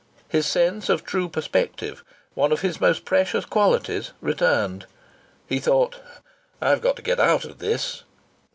His sense of true perspective one of his most precious qualities returned. He thought: "I've got to get out of this."